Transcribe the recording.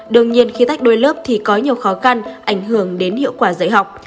đương nhiên khi tách đôi lớp thì có nhiều khó khăn ảnh hưởng đến hiệu quả dạy học